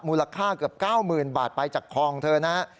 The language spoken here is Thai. มูลค่าเกือบ๙๐๐๐บาทไปจากคอของเธอนะฮะ